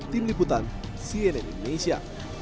tim liputan cnn indonesia